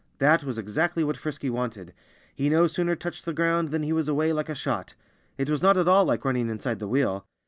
That was exactly what Frisky wanted. He no sooner touched the ground than he was away like a shot. It was not at all like running inside the wheel.